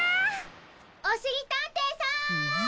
おしりたんていさん！